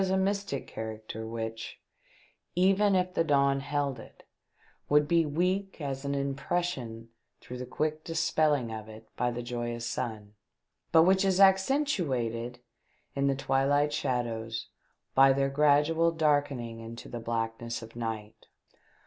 357 a mystic character which, even if the dawn held it, would be weak as an impression through the quick dispelHng of it by the joyous sun, but which is accentuated in the twihght shadows by their gradual darkening into the blackness of night.